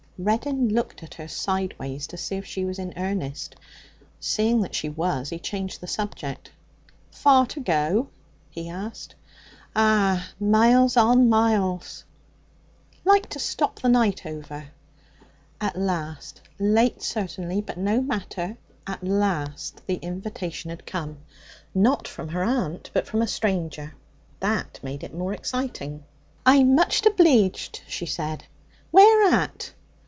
Reddin looked at her sideways to see if she was in earnest. Seeing that she was, he changed the subject. 'Far to go?' he asked. 'Ah! miles on miles.' 'Like to stop the night over?' At last, late certainly, but no matter, at last the invitation had come, not from her aunt, but from a stranger. That made it more exciting. 'I'm much obleeged,' he said. 'Where at?'